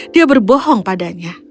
dia berbohong padanya